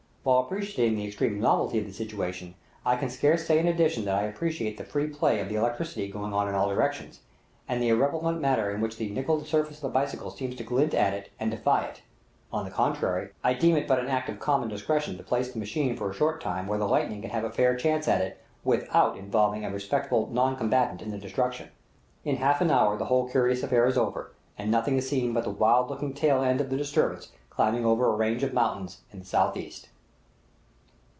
While appreciating the extreme novelty of the situation, I can scarce say in addition that I appreciate the free play of electricity going on in all directions, and the irreverent manner in which the nickeled surface of the bicycle seems to glint at it and defy it; on the contrary, I deem it but an act of common discretion to place the machine for a short time where the lightning can have a fair chance at it, without involving a respectful non combatant in the destruction. In half an hour the whole curious affair is over, and nothing is seen but the wild looking tail end of the disturbance climbing over a range of mountains in the southeast.